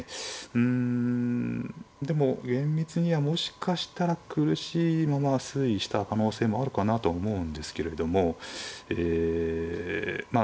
うんでも厳密にはもしかしたら苦しいまま推移した可能性もあるかなとは思うんですけれどもえま